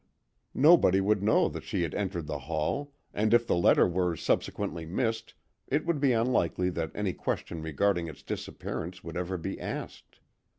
Nobody would know that she had entered the hall, and if the letter were subsequently missed it would be unlikely that any question regarding its disappearance would ever be asked.